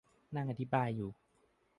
นั่งอธิบายอยู่